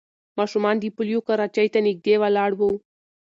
ماشومان د پولیو کراچۍ ته نږدې ولاړ وو.